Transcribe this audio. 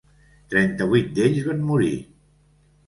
Trenta-vuit d'ells van morir.